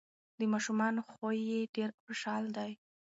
د ماشومانو خوی یې ډیر خوشحال دی.